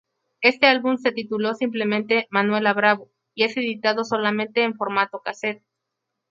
Este álbum se tituló simplemente "Manuela Bravo" y es editado solamente en formato casete.